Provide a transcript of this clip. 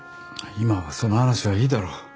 今はその話はいいだろう。